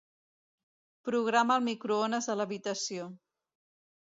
Programa el microones de l'habitació.